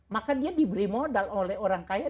maka dia diberi modal oleh orang kaya